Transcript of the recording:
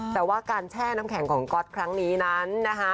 แต่ว่าการแช่น้ำแข็งของก๊อตครั้งนี้นั้นนะคะ